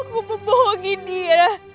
aku membohongi dia